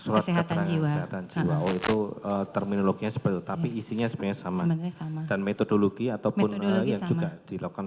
kesehatan jiwa atau terminologi sebetul tapi isinya sebenarnya sama dan metodologi ataupun